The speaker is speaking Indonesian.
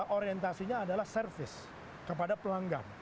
orientasinya adalah service kepada pelanggan